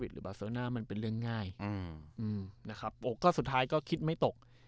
หรือมันเป็นเรื่องง่ายอืมอืมนะครับโอ๊ะก็สุดท้ายก็คิดไม่ตก